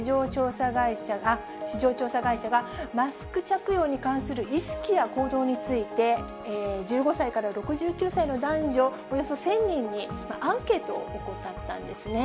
ある市場調査会社が、マスク着用に関する意識や行動について、１５歳から６９歳の男女、およそ１０００人にアンケートを行ったんですね。